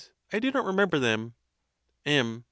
I do not remember them. MM.